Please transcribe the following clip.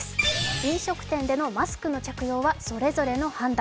飲食店のマスクの着用はそれぞれの判断。